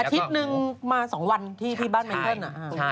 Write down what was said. อาทิตย์นึงมา๒วันที่บ้านแมนเติ้ลอ่ะ